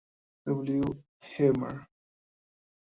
W. Amer.